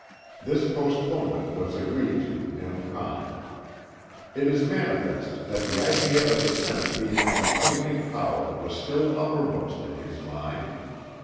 This postponement was agreed to nem. con. It is manifest that the idea of the Senate being an appointing power was still uppermost in his mind.